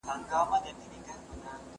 د زيږون کابو کول يا کنټرول.